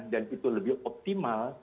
dan itu lebih optimal